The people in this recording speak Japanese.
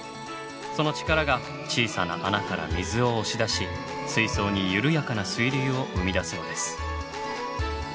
その力が小さな穴から水を押し出し水槽に緩やかな水流を生み出すのです。